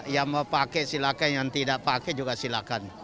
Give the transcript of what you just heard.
yang mau pakai silakan yang tidak pakai juga silakan